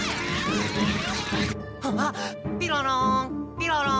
ピロロン！